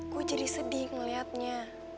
gue jadi sedih ngeliatnya